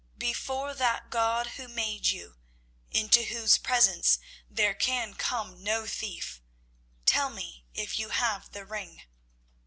Before that God who made you, into whose presence there can come no thief, tell me if you have the ring?"